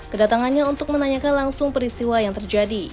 kedatangannya untuk menanyakan langsung peristiwa yang terjadi